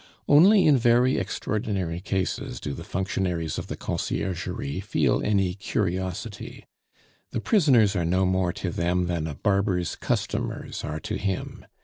Only in very extraordinary cases do the functionaries of the Conciergerie feel any curiosity; the prisoners are no more to them than a barber's customers are to him.